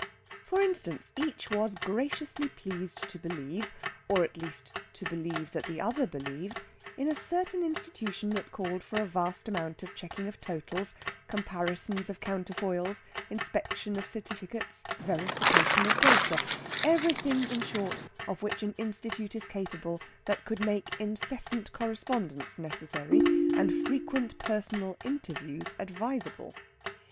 For instance, each was graciously pleased to believe or, at least, to believe that the other believed in a certain institution that called for a vast amount of checking of totals, comparisons of counterfoils, inspection of certificates, verification of data everything, in short, of which an institute is capable that could make incessant correspondence necessary and frequent personal interviews advisable.